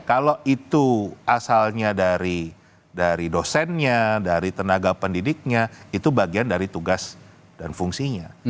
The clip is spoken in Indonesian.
kalau itu asalnya dari dosennya dari tenaga pendidiknya itu bagian dari tugas dan fungsinya